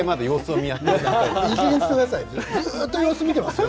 ずっと様子を見ていますよ。